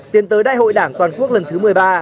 tiến tới đại hội đảng toàn quốc lần thứ một mươi ba